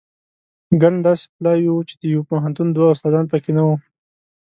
ګڼ داسې پلاوي وو چې د یوه پوهنتون دوه استادان په کې نه وو.